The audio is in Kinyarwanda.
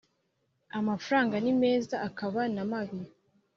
amafaranga ni meza akaba na mabi